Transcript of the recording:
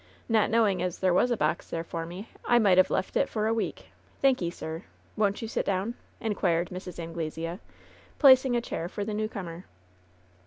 Not knowing as there was a box there for me, I might have left it for a week. Thanky*, sir ! Won't you sit down ?" inquired Mrs. Anglesea, placing a chair for the new comer.